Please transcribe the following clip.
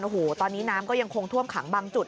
โอ้โหตอนนี้น้ำก็ยังคงท่วมขังบางจุด